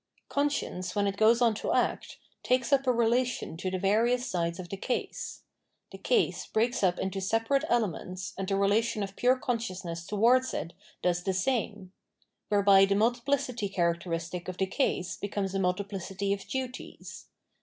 Conscience, when it goes on to act, takes up a relation to the various sides of the case. The case breaks up into separate elements, and the relation of pure consciousness towards it does the same : whereby the multiplicity characteristic of the case ConsGience 653 becomes a multiplicity of duties.